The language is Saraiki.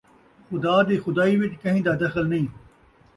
خدا دی خدائی وچ کہیں دا دخل نئیں